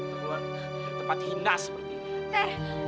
keluar dari tempat hina seperti ini